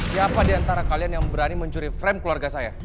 siapa diantara kalian yang berani mencuri frame keluarga saya